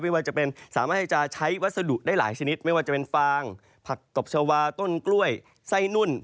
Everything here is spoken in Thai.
ว่าจะเป็นสามารถให้จะใช้วัสดุได้หลายชนิดไม่ว่าจะเป็นฟางผักตบชาวาต้นกล้วยไส้นุ่น